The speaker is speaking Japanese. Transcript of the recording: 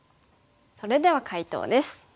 それでは解答です。